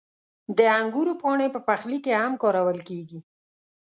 • د انګورو پاڼې په پخلي کې هم کارول کېږي.